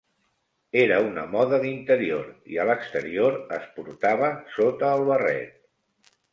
Era una moda d'interior, i a l'exterior es portava sota el barret.